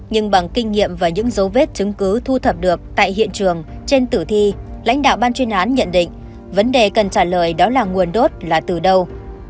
nhưng bằng kinh nghiệm và những dấu vết chứng cứ thu thập được tại hiện trường trên tử thi lãnh đạo ban chuyên án nhận định vấn đề cần trả lời đó là nguồn đốt là từ đâu